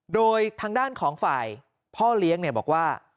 โดยทางด้านของฝ่ายพ่อเลี้ยงบอกว่า